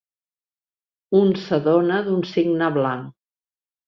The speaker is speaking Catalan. Un s'adona d'un cigne blanc.